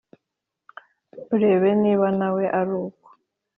urebe niba nawe ari uko